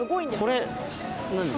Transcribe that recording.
これ何？